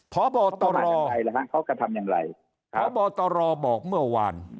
เพราะบ่ตรอบอกเมื่อวาน